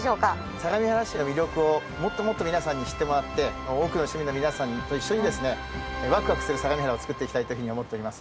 相模原市の魅力をもっともっと皆さんに知ってもらって多くの市民の皆さんと一緒にワクワクする相模原をつくっていきたいというふうに思っております